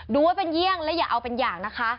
ดูไว้เป็นเยี่ยงและอย่าเอาเป็นอย่างนะคะ